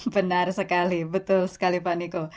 benar sekali betul sekali pak niko